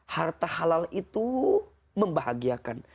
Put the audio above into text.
harta halal itu membahagiakan